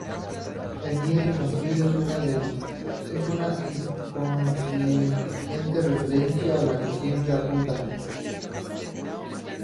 El nido infantil es una inconsciente referencia a la que siempre apunta.